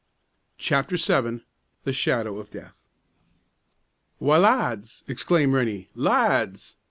CHAPTER VII. THE SHADOW OF DEATH. "Why, lads!" exclaimed Rennie; "lads!"